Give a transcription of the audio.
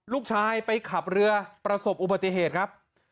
ลูกชายไปขับเรือประสบอุบัติเหตุครับ